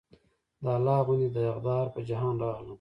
د الله غوندې داغدار پۀ جهان راغلم